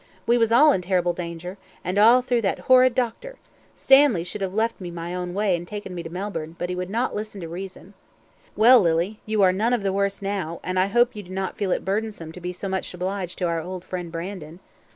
"We was all in terrible danger, and all through that horrid doctor. Stanley should have let me have my own way, and taken me to Melbourne; but he would not listen to reason." "Well, Lily, you are none of the worse now, and I hope you do not feel it burdensome to be so much obliged to our old friend Brandon."